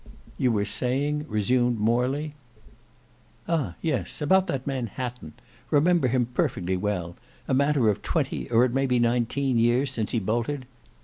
"You were saying—" resumed Morley. "Ah! yes, about that man Hatton; remember him perfectly well; a matter of twenty or it may be nineteen years since he bolted.